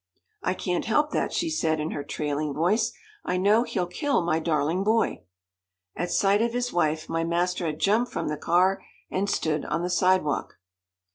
"I can't help that," she said in her trailing voice. "I know he'll kill my darling boy." At sight of his wife, my master had jumped from the car and stood on the sidewalk.